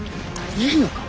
いいのか。